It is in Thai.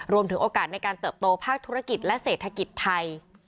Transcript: โอกาสในการเติบโตภาคธุรกิจและเศรษฐกิจไทย